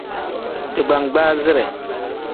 Digbangbaazire.